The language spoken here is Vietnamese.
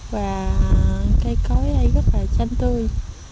và cây cối đây rất là xanh tươi